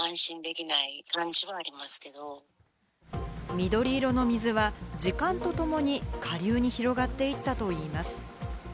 緑色の水は時間とともに下流に広がっていったといいます。